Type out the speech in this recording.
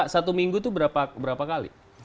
satu minggu itu berapa kali